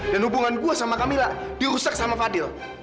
dan hubungan gue sama kamila dirusak sama fadil